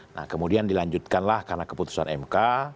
nah kemudian dilanjutkanlah karena keputusan mk